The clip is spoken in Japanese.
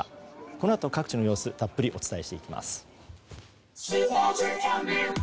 このあと、各地の様子をたっぷりとお伝えしていきます。